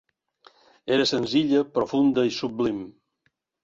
Era senzilla, profunda i sublim.